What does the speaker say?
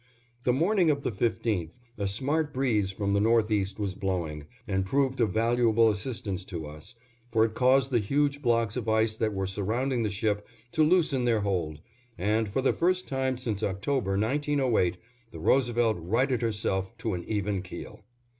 The morning of the 15th, a smart breeze from the northeast was blowing, and proved of valuable assistance to us, for it caused the huge blocks of ice that were surrounding the ship to loosen their hold, and for the first time since October, 1908, the Roosevelt righted herself to an even keel.